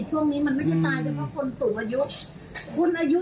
ช่วงนี้มันไม่ได้ตายเพราะคนสูงอายุ